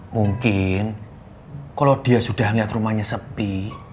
mungkin kalau dia sudah lihat rumahnya sepi